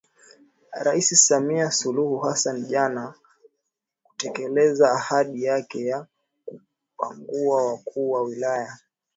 Rais Samia Suluhu Hassan jana kutekeleza ahadi yake ya kupangua wakuu wa wilaya